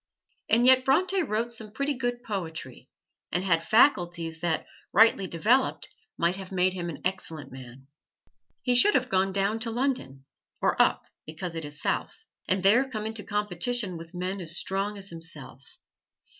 And yet Bronte wrote some pretty good poetry, and had faculties that rightly developed might have made him an excellent man. He should have gone down to London (or up, because it is south) and there come into competition with men as strong as himself.